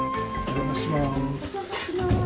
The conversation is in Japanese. お邪魔します。